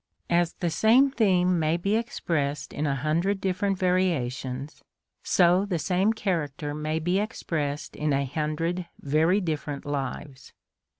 As the same theme may be expressed in a hundred different variations, so the same character may be expressed in a hundred very different lives.